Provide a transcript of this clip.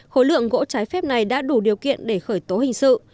khối lượng gỗ trái phép này đã đủ điều kiện để khởi tố hình sự